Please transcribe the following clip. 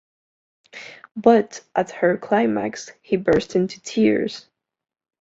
But at her climax he burst into tears.